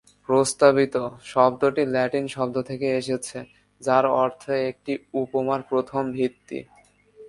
"প্রস্তাবিত" শব্দটি ল্যাটিন শব্দ থেকে এসেছে, যার অর্থ একটি উপমার প্রথম ভিত্তি।